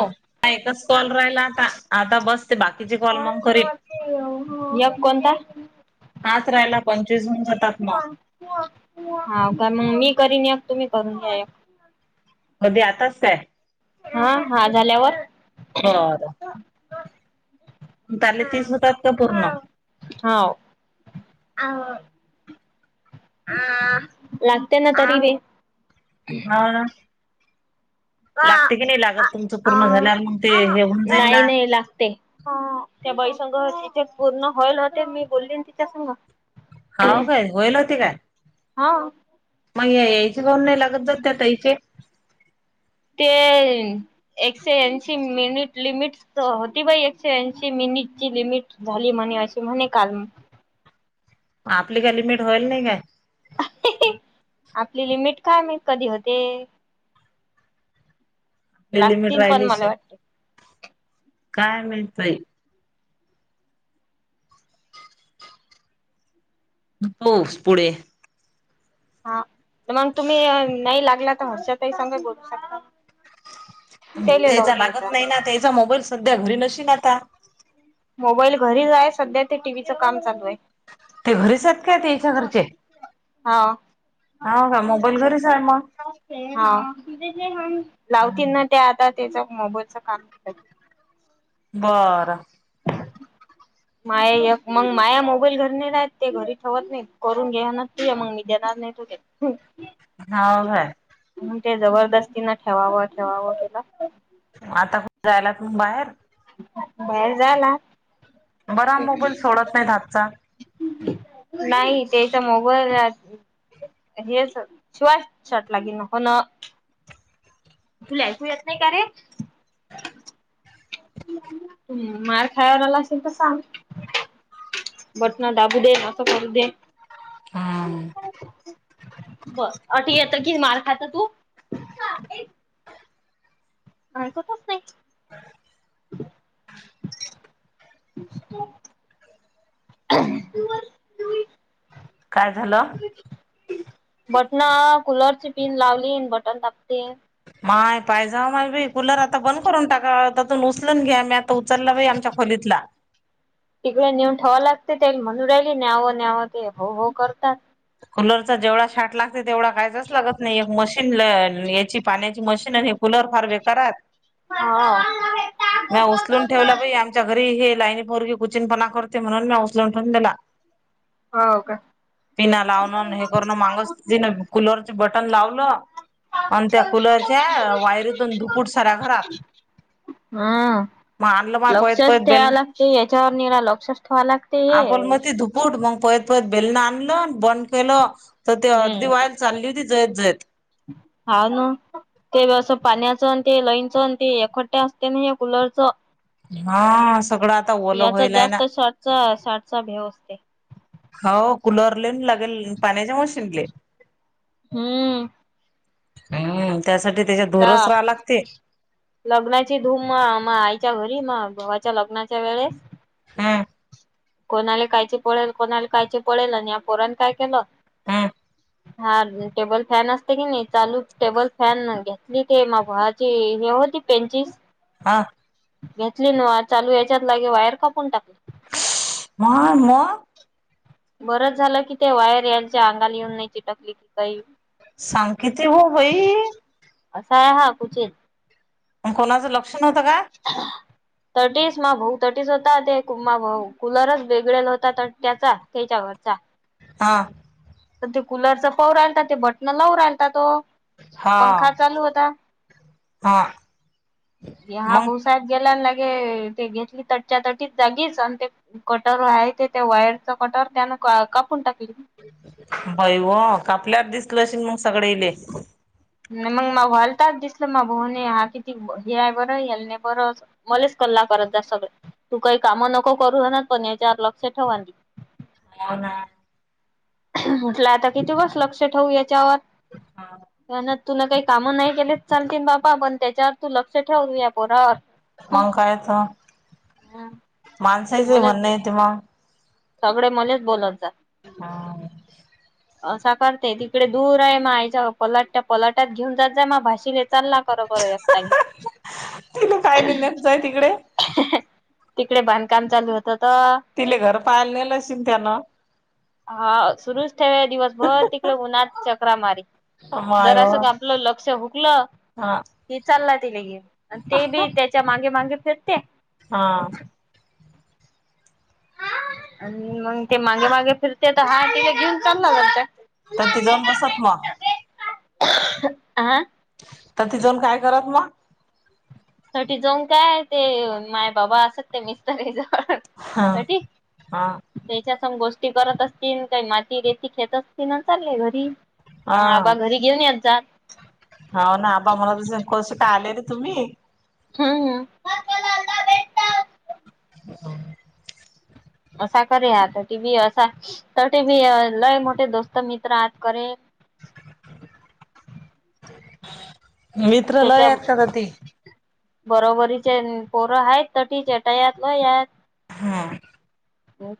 हो. हा एकच कॉल राहिला आता. आता बस ते बाकीचे कॉल मग करीन. एक कोणता? हाच राहीला पंचवीस होऊन जातात मग. हा तर मग मी करन एक, तुम्ही करून घ्या एक. कधी आताच काय हां हा झाल्यावर बरं त्याले हां तीस होतात का पूर्ण हां हाव आव आ लागते ना तरी बी आ लागते की नाही लागत तुमचं पूर्ण झाल्यावर मग ते हे होऊन जाईल ना. हे लागते. ह त्या बाई संग तिथ पूर्ण होइल होते मी बोलली तिच्या संग. हाव काय होईल होते काय. हा. मग या यायची [unintelligible] लागत त्या ताईचे. ते एकशे ऐंशी मिनिट लिमिट च होती बाई एकशे ऐंशी मिनिट ची लिमिट झाली म्हणे अशी म्हणे काल. आपली काय लिमिट होईल नाही काय. आपली लिमिट काय माहित कधी होते. ते लिमिट लागतील पण राहिलीच मला आहे, वाटते. काय मिळतय. पाऊस पुढे. हा मग तुम्ही नाही लागला तर हर्षताई संग बोलू शकता. तेले त्याच लावून पाहिचा लागत नाही ना त्याचा मोबाईल सध्या घरी नशील आता. मोबाईल घरीच आहे सध्या ते टीव्हीचं काम चालू आहे. ते घरीच आहेत काय तेच्या घरचे. हा. हा का मोबाईल घरीच आहे मग. हां लावती ना त्या आता, त्याच मोबाईलच काम. बरं. [unintelligible] माये एक मग माया मोबाईल घरी नाय राहत ते घरी ठेवत नाही करून घ्याना ते मग मी देणार नाही. हम्म. हाव आहे. मंग ते जबरदस्ती न ठेवावं ठेवावं त्याला. आता जायला तून बाहेर बाहेर जायला. जरा मोबाईल सोडत नाही हातचा. नाही तेचा मोबाईल अह [unintelligible] तुला ऐकू येत नाही का रे. तू मार खायला आला असशील तर सांग. बटन दाबू दे, असं करू दे. हां. बरं आत येत कि मार खात तू. ऐकतच नाही. [unintelligible] [unintelligible] [unintelligible] काय झालं. बटन कुलरची पिन लावली, न बटन दाबते. माय पाहिजे माझ बि कुलर आता बंद करून टाका. उचलून घ्या, मी आता उचलला बाई आमच्या खोलीतला. तिकडे नेऊन ठेवाव लागते, त्या म्हणून राहिली न्यावं न्यावं ते हो हो करतात. कुलरचा जेवढा शाक लागतय, तेवढा कायचच लागत नाही. एक मशीन न्याची पाण्याची मशीन कूलर फार बेकार. हा. मी उचलून ठेवला बाई, आमच्या घरी हे लाईनी पोरगी कुचीनपणा करते म्हणून मी उचलून ठेवून दिला. [inaudible] हाव. पिना लावणं न हे करण मागस तीन कुलरचे बटन लावलं आणि त्या कुलरच्या वायरीतून, धुपूट साऱ्या घरात. हं. मग आणलं मा पयत लक्षच पयत ठेवाय बेल लागते. हेच्या वर्णी ना लक्षच ठेवा लागते हे. बूट मग पळत पळत बेलन आणलं नी बंद केलं, तर ते अर्धी हम्म वायर चालली होती जळत जळत. हाव ना. ते असं पाण्याचं आणि ते लाईनच आणि ते एकोट्या असते नी हे कुलरचं. हा सगळं आता ओलं याचा व्हायलाय ना जास्त शॉकचा शॉकचा भ्या वाटतंय होव कुलरलेन लागेल, पाण्याच्या मशीनले. हम्म. हम्म त्यात ते [unintelligible] लग्नाची धूम मग आईच्या घरी, मग भावाच्या लग्नाच्या वेळेस हम्म. कोणाले कायचे पडेल, कोणाला कायचे पडेल आणि या पोरान काय केलं. हम्म हा टेबल फॅन असते कणी, चालू टेबल फॅन घ्या मी त्या भावाची हे होती पेनशील. हा. घेतली ना चालू व्हायच्या लागे वायर कापून टाकली. माय, मग. बरच झालं की ते, वायर यांच्या अंगाला येऊन नाही चिटकली की काही. सांग किती हो बई. असा आहे हा कोणाचं लक्ष नव्हतं का. तटीस मग भाऊ तटीस होता, ते कुमा भाऊ कुलरच वेगळेल होता ना त्याचा त्याच्यावरचा. हां. तर ते कूलरचा पऊ राहिलता, ते बटनं लावू राहिलता तो. हा पंखा चालू होता. हा हा मग बोटाने गेलाय लागे ते घेतली तटच्या तटीत जागीच आणि ते कटर आहे ते, त्या वायरचा कटर त्यानं का कापून टाकली. बाई वो कापल्यावर दिसलं असेन मग सगळ्या इले? नाही मग मग वालताच दिसलं, मग भवणे हा किती हेय बरं याल नाही बरं. मलेच कल्ला करत हाय सगळे, तू काही कामं नको करू पण याच्यावर लक्ष ठेवा दि. हो, ना. म्हटलं आता किती दिवस लक्ष ठेवू याच्यावर? हा. यानं तुला काही कामं नाही केलीच चालतील बापा, पण त्याच्यावर तू लक्ष ठेव तूया पोरावर. मग कायतं हम्म माणसाचं मले म्हणण येती या. सगळे मलेच बोलत जाय‌. हा.. साकारते तिकडे दूर आहे माय आच्या पलाट त्या पलाट्याात घेऊन जात जा माय भाषले चालला करं बं या. [unintelligible] तिला कायले नेत जाय तिकडे. तिकडे बांधकाम चालू होतं त तिले घर पाहायला नेलं आशिन त्यानं. हा सुरूच ठेव रे दिवसभर तिकडे उन्हात चकरा मारी. माय व जरासं का आपलं लक्ष हुकलं हा ति चालला तिथे घेऊन आणि मागे -मागे फिरते हा अन् मग ते मागे- मागे फिरते, तर हा तिले घेऊन चालला बणता. पण ती जाऊन बसत मा. आ तर तिथं जाऊन काय करत मग. त्या साठी जाऊन काय ते माय बाबा सत्य निघतं ते जवळ. हा साठि. हा त्याच्या संग गोष्टी करत असतील, काही माती- रेती खेळत असतील चाललेय घरी. हा आबा घरी घेऊन येत जा. हाव ना आबा म्हणत असेन कशे काय आले रे तुम्हीं? हं... [unintelligible] असा करे आता टी बी असा, तर टीबी लय मोठे दोस्त मित्र आत करे. मित्र लय त्यच्या आहेत का तर ती बरोबरीचे पोरं आहेत तटीचे तयात लं यात. हं..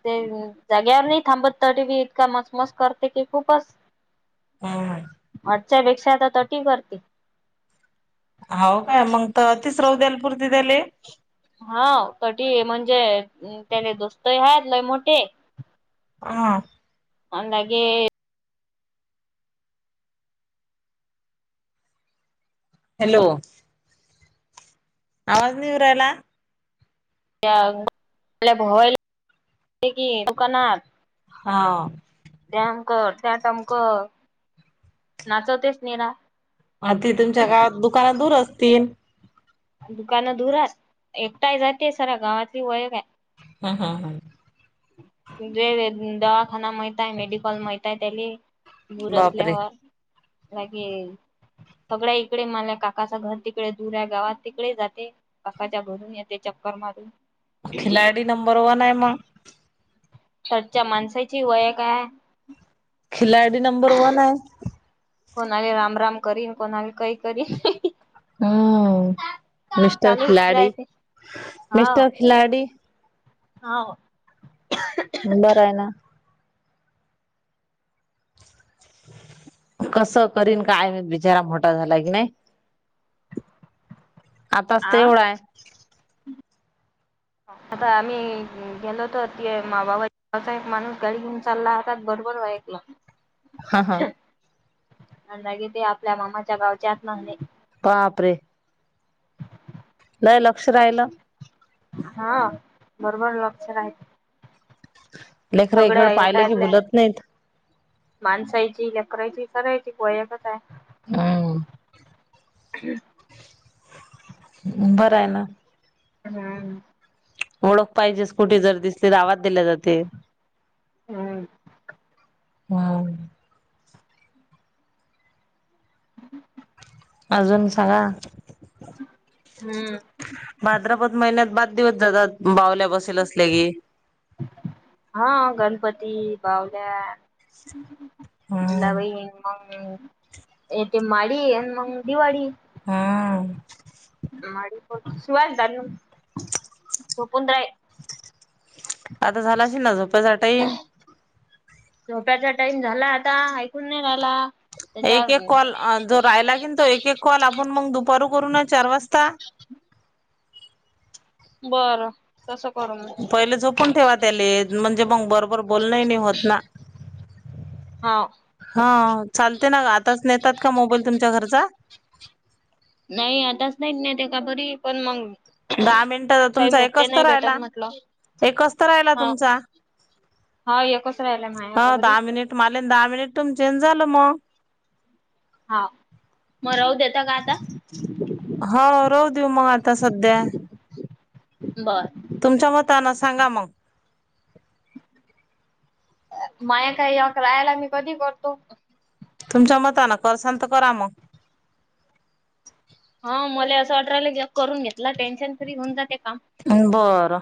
ते जाग्यावर नाही थांबत तट बी इतका मसमस करते की खूपस हं.. ह.. आच्यापेक्षा आता तटी करते. हाव काय मग त तिसरा ऊद्यालपूरती त्याले. हाव तटी म्हणजे त्याले दोस्तही आहेत लय मोठे. हा. आन् लगे हॅलो. आवाज नई येवू राहिला. भय की दुकानात [inaudible] हा डम कर टटम कर [inaudible] आ ती तुमच्या गावात त दुकानत दूर असतील दुकानं दूरा हाय एकटा जाते सरा गावातली ओळख आहे. हा हा हा जे दवाखाना माहितय मेडिकल माहित आहे, मेडिकल माहित आहे त्याला दूर बापरे असल्यावर लागे [inaudible] सगळ्या इकडे माल्या काकाचं घर तिकडे दुऱ्या गावात तिकडे जाते. काकाच्या घरून येते चक्कर मारून खिलाडी नंबर वन आहे म. तरच्या माणसाची वय काय? खिलाडी नंबर वन आहे. कोणाले राम राम करीन, कोणाले काही करीन. हो, मिस्टर चालू उचलाय खिलाडी, ते मिस्टर खिलाडी. हा. बरं आहे ना. कसं करीन काय बिचारा मोठा झाला की नाही. आताच तर आ एवढा हाय. आता आम्ही गेलो तर ते माबाबा गाचा एक माणूस गाडी घेऊन चालला, होता बरोबर वा ओळखला. ह [inaudible] हा हा. म्हनला की ते, आपल्या मामाच्या गावच्यात हात म्हणे. बापरे! लय लक्ष राहिलं. हा, बरोबर लक्ष राहीलं. लेकरं एकीकडं पाहिलं की भुलत नाहीत. माणसायची, लेकरायची सरायची गोयाकच आहे. हम्म. हम्म. बरं आहे ना. हम्म. ओळख पाहिजे, स्कुटी जर दिसली तर आवाज दिल्या जाते. हम्म हां. हम्म [inaudible] अजून सांगा, हम्म. भाद्रपद महिन्यात बाद दिवस जातात, बावल्या बसेल असल्या की, हा, गणपती, बावल्या, हम्म भलावई मग, ते माडी आणि मंग दिवाळी. हम्म. माडी. शिवास धान, झोपून राय. आता झाला असल ना झोपायचा टाईम. झोप्याचा टाइम झाला आता, ऐकून नाही राहिला. त्याच्या एक एक कॉल, जो राहाय लागेल तो एक एक कॉल, आपण मग दुपारी करूया ना, चार वाजता. बरं. तसं करु म. पहिले झोपून ठेवा त्याले, म्हणजे मग बर वर बोलणं हि नाही होत ना. हाव हा चालते ना, आताच नेतात का मोबाईल तुमच्या घरचा. नाही, आताच नाहीे नेतय का बरी, पण मंग दहा मिनिट त तुमचा एकच तर राहिला, म्हटलं एकच तर राहिला हा तुमचा. हा, एकच राहिला माया, ह [inaudible] दहा मिनिट माले न, दहा मिनिट तुमचे न, झालं मग. हा, म राहु देेता का आता? हा, राहु देऊ मग आता सध्या. बर. तुमच्या म त्यांना सांगा मग. माया काय एक राहायला, मी कधी करतो. तुमच्या मतान करसाल त करा म. ह मले असं वाटु राहील, एक करून घेतला टेन्शन फ्री होऊन जाते काम बरं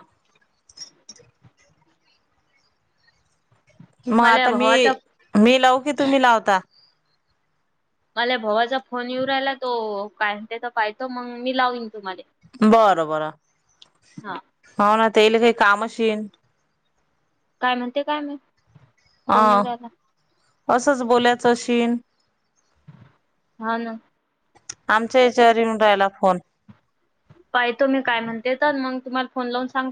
मग मला आता मी, भावाचा मी लावू की तुम्ही लावता? मले भवाचा फोन येऊ राहिला तो काय म्हणतेत पाहितो, मंग मी लाविन तुम्हाले. बरं बरं, हा होना तेईले काही काम अशीन. काय म्हणते काय माहित? फोन येऊ हा, राहिला असंच बोलायचं अशीन हा ना आमच्या याच्यावर येऊन राहायला फोन. पायतो मी काय म्हणते तर, मंग तुम्हाला फोन लावून सांग